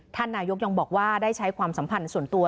ท่านนายกยังบอกว่าได้ใช้ความสัมพันธ์ส่วนตัว